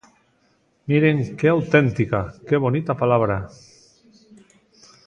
Miren, ¡que auténtica!, ¡que bonita palabra!